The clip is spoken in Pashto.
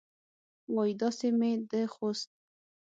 وایي اوس مې د خوست